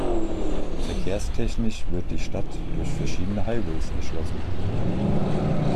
Verkehrstechnisch wird die Stadt durch verschiedene Highways erschlossen.